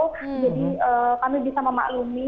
jadi kami bisa memaklumi